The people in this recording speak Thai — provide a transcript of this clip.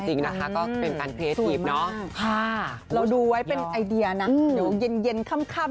จริงจริงอย่อมจริงนะคะ